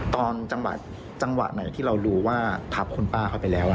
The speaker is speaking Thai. จังหวะจังหวะไหนที่เรารู้ว่าทับคุณป้าเข้าไปแล้ว